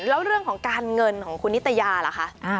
แล้วเรื่องของการเงินของคุณนิตยาล่ะคะ